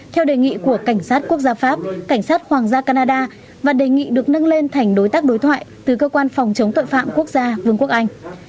theo đề nghị của cảnh sát quốc gia pháp cảnh sát hoàng gia canada và đề nghị được nâng lên thành đối tác đối thoại từ cơ quan phòng chống tội phạm quốc gia vương quốc anh